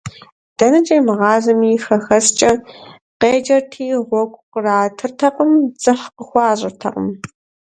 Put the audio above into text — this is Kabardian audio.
ДэнэкӀэ имыгъазэми, «хэхэскӀэ» къеджэрти, гъуэгу къратыртэкъым, дзыхь къыхуащӀыртэкъым.